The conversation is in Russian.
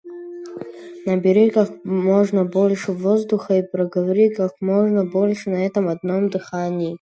Набери как можно больше воздуха и проговори как можно больше на этом одном дыхании.